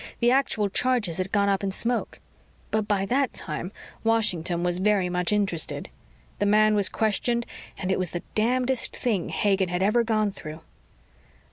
The actual charges had gone up in smoke. But by that time, Washington was very much interested. The man was questioned and it was the damnedest thing Hagen had ever gone through